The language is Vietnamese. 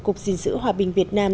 cục diên dữ hòa bình việt nam